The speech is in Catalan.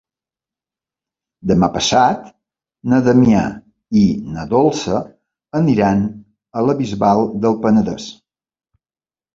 Demà passat na Damià i na Dolça aniran a la Bisbal del Penedès.